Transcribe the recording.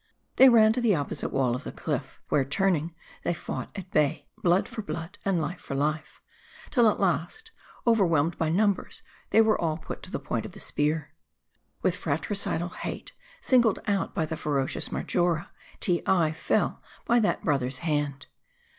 ,They ran to the opposite wall of cliff; where turning, they v fought at bay, blood for blood, and life for life, tfti at last, overwhelmed by numbers, they were all put to tho point of the spear. With fratricidal hate, singled out by the ferocious Mar jora, Teei fell by that brother's hand.